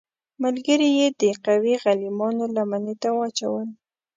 ملګري یې د قوي غلیمانو لمنې ته واچول.